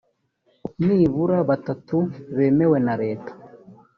nibura batatu bemewe na leta